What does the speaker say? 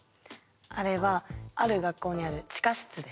あれはある学校にある地下室です。